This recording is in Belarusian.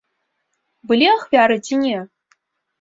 Былі ахвяры ці не?